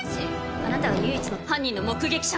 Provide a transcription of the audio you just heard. あなたが唯一の犯人の目撃者